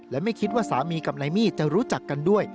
และไม่คิดว่าสามีกับนายมี่จะรู้จักกันด้วย